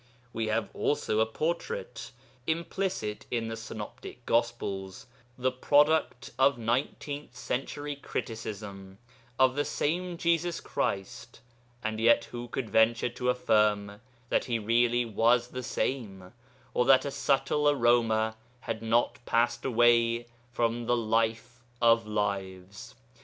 We have also a portrait (implicit in the Synoptic Gospels) the product of nineteenth century criticism of the same Jesus Christ, and yet who could venture to affirm that He really was the same, or that a subtle aroma had not passed away from the Life of lives?